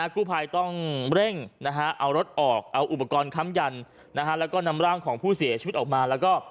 กู้ภัยต้องเร่งเอารถออกเอาอุปกรณ์ค้ำยันแล้วก็นำร่างของผู้เสียชีวิตออกมาแล้วก็